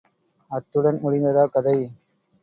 அத்துடன் முடிந்ததா கதை?